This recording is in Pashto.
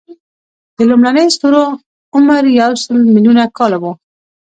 د لومړنیو ستورو عمر یو سل ملیونه کاله و.